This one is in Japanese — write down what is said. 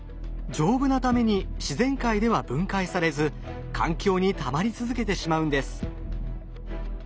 丈夫なために自然界では分解されず環境にたまり続けてしまうんです。